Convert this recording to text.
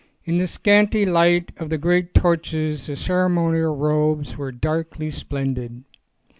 In the scanty light of the great torches the ceremonial robes were darkly splendid.